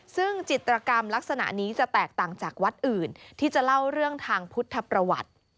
ซึ่งจิตรกรรมลักษณะนี้จะแตกต่างจากวัดอื่นที่จะเล่าเรื่องทางพุทธประวัติ